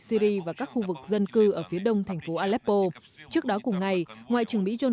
syri và các khu vực dân cư ở phía đông thành phố aleppo trước đó cùng ngày ngoại trưởng mỹ john